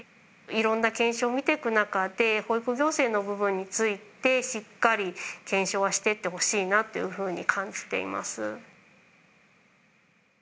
いろんな検証を見ていく中で保育行政の部分についてしっかり検証はしていってほしいなというふうに感じています。